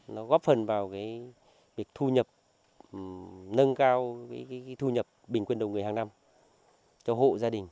nó góp phần vào việc thu nhập nâng cao thu nhập bình quân đầu người hàng năm cho hộ gia đình